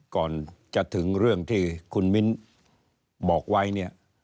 ก่อนจะถึงเรื่องที่คุณมิ้นบอกไว้เนี่ย